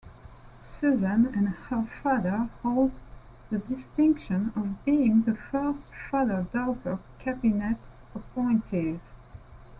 Susan and her father hold the distinction of being the first father-daughter cabinet appointees.